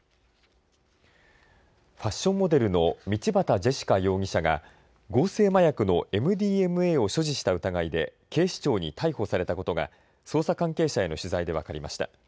ファッションモデルの道端ジェシカ容疑者が合成麻薬のＭＤＭＡを所持した疑いで警視庁に逮捕されたことが捜査関係者への取材で分かりました。